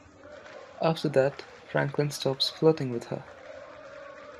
After that, Franklin stops flirting with her.